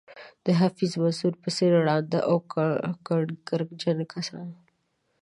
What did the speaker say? د حفیظ منصور په څېر ړانده او کڼ کرکجن کسان.